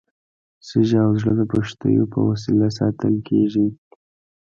سږي او زړه د پښتیو په وسیله ساتل کېږي.